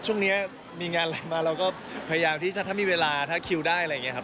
ช่วงนี้มีงานอะไรมาเราก็พยายามที่ถ้ามีเวลาถ้าคิวได้อะไรอย่างนี้ครับ